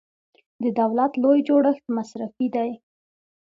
د دولت لوی جوړښت مصرفي دی.